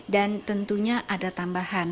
dan tentunya ada tambahan